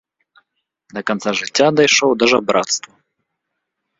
Да канца жыцця дайшоў да жабрацтва.